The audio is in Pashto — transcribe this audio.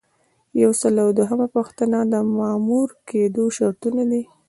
یو سل او دوهمه پوښتنه د مامور کیدو شرطونه دي.